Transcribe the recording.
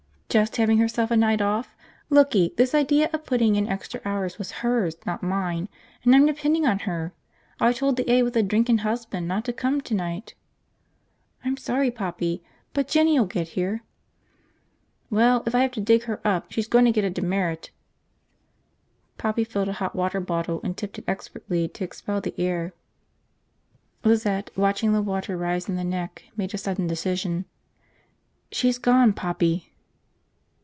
"Just having herself a night off? Looky, this idea of putting in extra hours was hers, not mine, and I'm depending on her. I told the aide with the drinkin' husband not to come tonight." "I'm sorry, Poppy. But Jinny'll get here." "Well, if I have to dig her up she's gonna get a demerit." Poppy filled a hot water bottle and tipped it expertly to expel the air. Lizette, watching the water rise in the neck, made a sudden decision. "She's gone, Poppy."